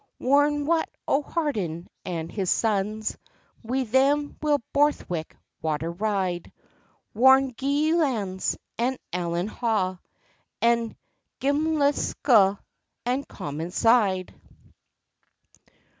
"Warn Wat o' Harden, and his sons, Wi' them will Borthwick water ride; Warn Gaudilands, and Allanhaugh, And Gilmanscleugh, and Commonside.